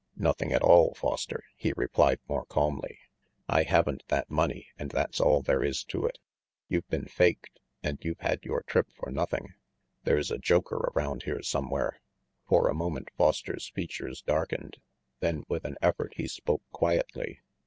"Nothing at all, Foster," he replied more calmly. "I haven't that money and that's all there is to it. You've been faked and you've had your trip for nothing. There's a joker around here somewhere." For a moment Foster's features darkened; then with an effort he spoke quietly.